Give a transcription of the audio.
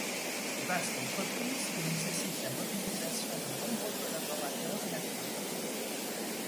Vaste entreprise qui nécessite la mobilisation de nombreux collaborateurs à la cour.